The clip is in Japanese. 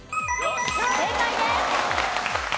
正解です。